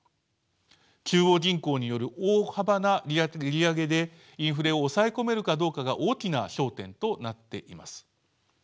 中央銀行による大幅な利上げでインフレを抑え込めるかどうかが大きな焦点となっています。